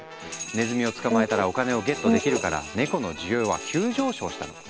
ネズミを捕まえたらお金をゲットできるからネコの需要は急上昇したの。